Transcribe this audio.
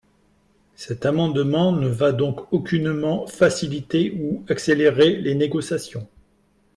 Cet amendement ne va donc aucunement faciliter ou accélérer les négociations.